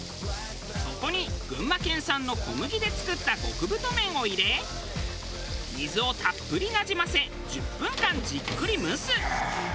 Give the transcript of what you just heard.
そこに群馬県産の小麦で作った極太麺を入れ水をたっぷりなじませ１０分間じっくり蒸す。